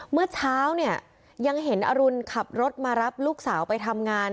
เมื่อเช้าเนี่ยยังเห็นอรุณขับรถมารับลูกสาวไปทำงาน